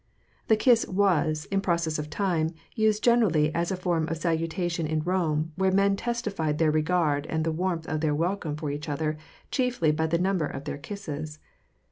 The kiss was, in process of time, used generally as a form of salutation in Rome where men testified their regard and the warmth of their welcome for each other chiefly by the number of their kisses.